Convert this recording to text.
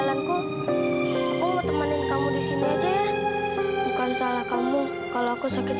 makasih ya mas ya makasih